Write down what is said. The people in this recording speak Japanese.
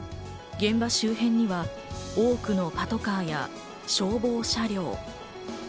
現場周辺には多くのパトカーや消防車両。